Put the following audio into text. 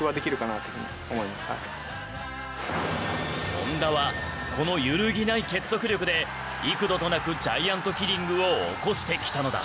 ホンダはこの揺るぎない結束力で幾度となくジャイアントキリングを起こしてきたのだ。